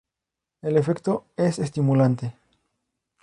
El efecto es estimulante.